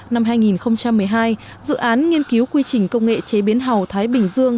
năm hai nghìn một mươi hai dự án nghiên cứu quy trình công nghệ chế biến hầu thái bình dương